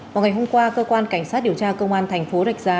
vào ngày hôm qua cơ quan cảnh sát điều tra công an thành phố rạch giá